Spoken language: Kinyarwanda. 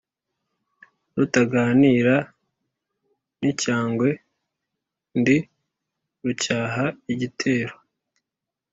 Rutaganira n’icyangwe, ndi Rucyaha igitero.